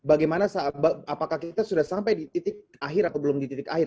bagaimana apakah kita sudah sampai di titik akhir atau belum di titik akhir